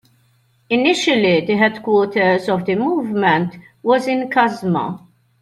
Initially, the headquarters of the movement was in Kasma.